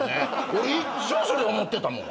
俺いっつもそれ思ってたもん。